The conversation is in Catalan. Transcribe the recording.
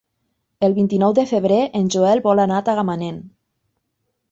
El vint-i-nou de febrer en Joel vol anar a Tagamanent.